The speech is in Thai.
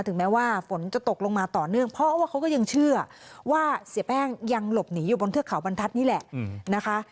แม้ว่าฝนจะตกลงมาต่อเนื่องเพราะว่าเขาก็ยังเชื่อว่าเสียแป้งยังหลบหนีอยู่บนเทือกเขาบรรทัศน์นี่แหละนะคะ